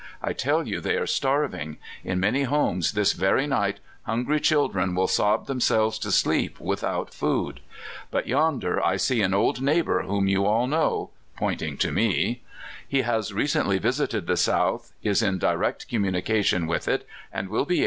I tell you they are starving! In many homes this very night hungry children will sob themselves to sleep without food! But yonder I see an old neighbor, whom you all know," pointing to me; "he has recently visited the South, is in direct communication with it, and will be able to * Stewart Avas with Walker in Nicaragua